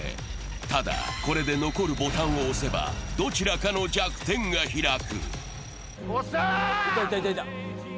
ただ、これで残るボタンを押せばどちらかの弱点が開く。